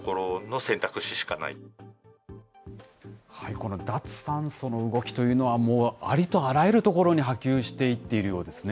この脱炭素の動きというのは、もうありとあらゆるところに波及していっているようですね。